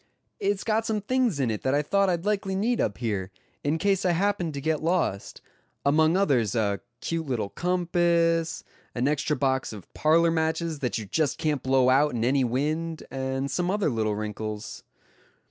"It's got some things in it that I thought I'd likely need up here, in case I happened to get lost; among others, a cute little compass, an extra box of parlor matches that you just can't blow out in any wind, and some other little wrinkles."